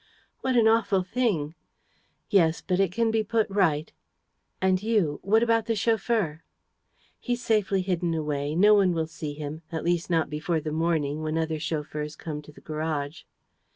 "What an awful thing!" "Yes, but it can be put right. And you ... what about the chauffeur?" "He's safely hidden away. No one will see him ... at least not before the morning, when other chauffeurs come to the garage."